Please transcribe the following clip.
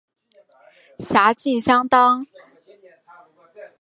辖境相当今陕西省蓝田县一带。